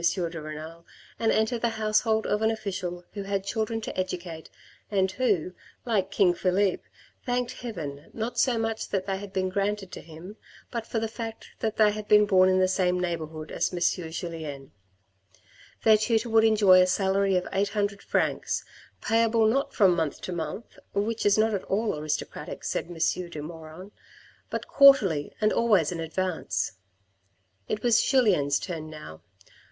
de Renal and enter the household of an official who had children to educate and who, like King Philippe, thanked Heaven not so much that they had been granted to him, but for the fact that they had been born in the same neighbourhood as M. Julien. Their tutor would enjoy a salary of 800 francs, payable not from month to month, which is not at all aristocratic, said M. de Maugiron, but quarterly and always in advance. It was Julien's turn now.